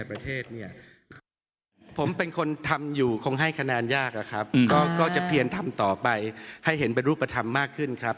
ประเทศเนี่ยผมเป็นคนทำอยู่คงให้คะแนนยากอะครับก็จะเพียนทำต่อไปให้เห็นเป็นรูปธรรมมากขึ้นครับ